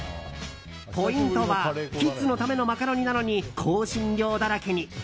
ポイントはキッズのためのマカロニなのに香辛料だらけに。